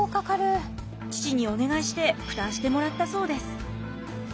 父にお願いして負担してもらったそうです。